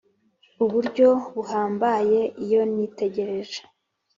uburyo buhambaye Iyo nitegereje